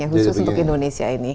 khusus untuk indonesia ini